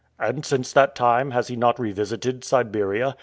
"And since that time, has he not revisited Siberia?"